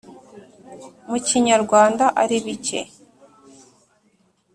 mu kinyarwanda ari bike.